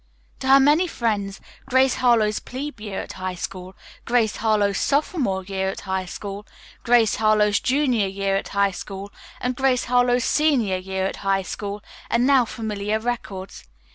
To her many friends "Grace Harlowe's Plebe Year at High School," "Grace Harlowe's Sophomore Year at High School," "Grace Harlowe's Junior Year at High School," and "Grace Harlowe's Senior Year at High School" are now familiar records.